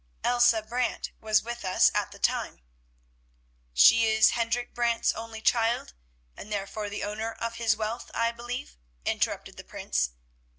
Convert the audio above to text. Elsa Brant was with us at the time——" "She is Hendrik Brant's only child, and therefore the owner of his wealth, I believe?" interrupted the Prince.